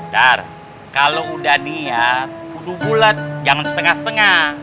dar kalau udah niat kudu bulat jangan setengah setengah